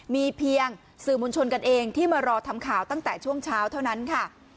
มีเพียงสื่อมวลชนกันเองที่มารอทำข่าวตั้งแต่ช่วงเช้าเท่านั้นค่ะ